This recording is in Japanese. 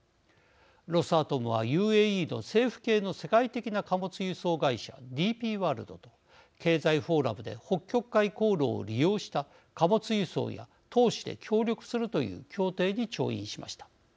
ロスアトムはＵＡＥの政府系の世界的な貨物輸送会社ＤＰワールドと経済フォーラムで北極海航路を利用した貨物輸送や投資で協力するという協定に調印しました。